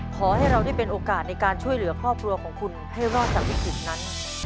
ขอให้เราได้เป็นโอกาสในการช่วยเหลือครอบครัวของคุณให้รอดจากวิกฤตนั้น